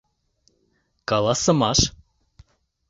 Каласымаш